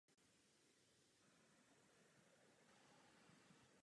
Působil jako mlynář a rolník ve Velké Bystřici.